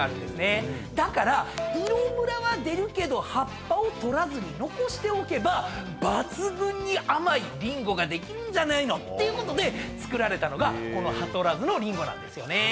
だから色ムラは出るけど葉っぱを取らずに残しておけば抜群に甘いリンゴができるんじゃないのってことで作られたのがこの葉とらずのリンゴなんですよね。